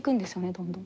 どんどん。